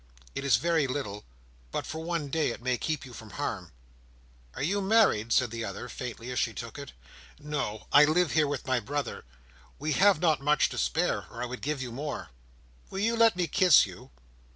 It is very little, but for one day it may keep you from harm." "Are you married?" said the other, faintly, as she took it. "No. I live here with my brother. We have not much to spare, or I would give you more." "Will you let me kiss you?"